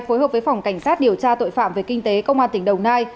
phối hợp với phòng cảnh sát điều tra tội phạm về kinh tế công an tỉnh đồng nai